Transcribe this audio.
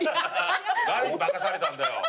何に化かされたんだよ。